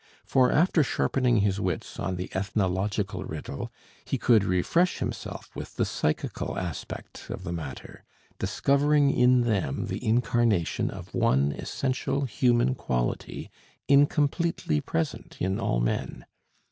For after sharpening his wits on the ethnological riddle, he could refresh himself with the psychical aspect of the matter, discovering in them the incarnation of one essential human quality, incompletely present in all men.